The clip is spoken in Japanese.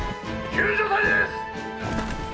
救助隊ですッ！！